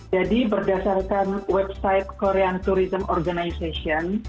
jadi berdasarkan website korean tourism organization